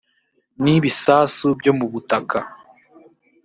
n ibisasu byo mu butaka